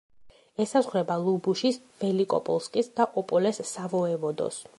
ესაზღვრება ლუბუშის, ველიკოპოლსკის და ოპოლეს სავოევოდოს.